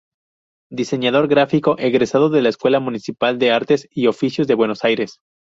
Diseñador gráfico egresado de la Escuela Municipal de Artes y Oficios de Buenos Aires.